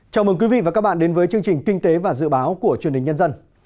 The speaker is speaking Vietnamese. chào mừng quý vị và các bạn đến với chương trình kinh tế và dự báo của truyền hình nhân dân